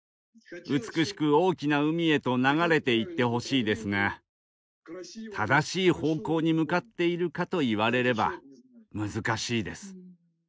美しく大きな海へと流れていってほしいですが正しい方向に向かっているかと言われれば難しいです。